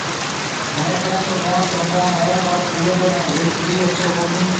ميه ڪنَي تو پونچ وگا هيَ پر اوَي ۾ هيَڪ بي اڇو ڪونَي۔